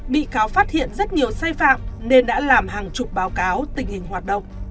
bị cáo phát hiện rất nhiều sai phạm nên đã làm hàng chục báo cáo tình hình hoạt động